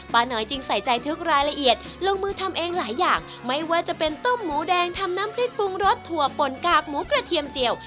น้อยจึงใส่ใจทุกรายละเอียดลงมือทำเองหลายอย่างไม่ว่าจะเป็นต้มหมูแดงทำน้ำพริกปรุงรสถั่วปนกากหมูกระเทียมเจียว